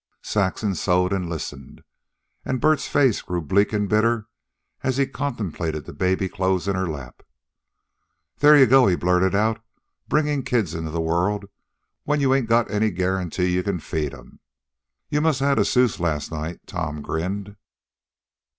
Saxon sewed and listened, and Bert's face grew bleak and bitter as he contemplated the baby clothes in her lap. "There you go," he blurted out, "bringin' kids into the world when you ain't got any guarantee you can feed em." "You must a had a souse last night," Tom grinned.